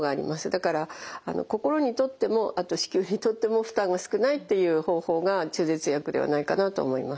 だから心にとってもあと子宮にとっても負担が少ないっていう方法が中絶薬ではないかなと思います。